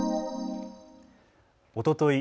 おととい